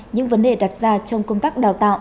những vấn đề đặt ra trong công tác đào tạo